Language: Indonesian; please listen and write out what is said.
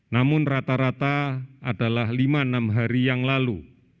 namun rata rata adalah lima enam hari yang lalu